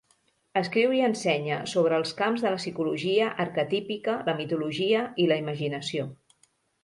Escriu i ensenya sobre els camps de la psicologia arquetípica, la mitologia i la imaginació.